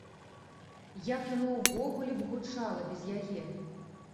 Як яно ўвогуле б гучала без яе!